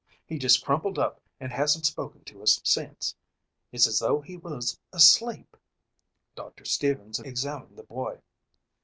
"He just crumpled up and hasn't spoken to us since. It's as though he was asleep." Doctor Stevens examined the boy.